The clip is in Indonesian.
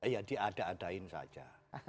ya diadain adain saja